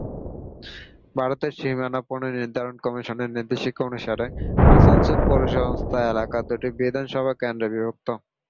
ভারতের সীমানা পুনর্নির্ধারণ কমিশনের নির্দেশিকা অনুসারে, আসানসোল পৌরসংস্থা এলাকা দুটি বিধানসভা কেন্দ্রে বিভক্ত।